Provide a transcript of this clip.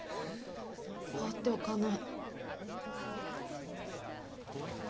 放っておかない。